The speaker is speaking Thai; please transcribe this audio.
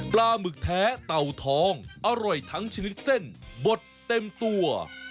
ปลาหมึกแท้เต่าทองอร่อยทั้งชนิดเส้นบดเต็มตัว